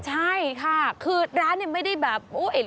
ใช่ค่ะคือร้านไม่ได้แบบอู้เอ๋ย